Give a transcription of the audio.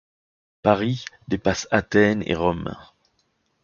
Paris dépasse Athènes et Rome!